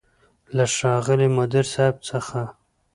له ښاغلي مدير صيب څخه